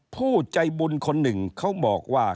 ผู้ใจบุญคนหนึ่งเขาบอกว่า